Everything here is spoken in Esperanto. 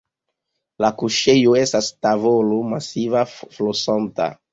La kuŝejo estas tavolo-masiva, flosanta.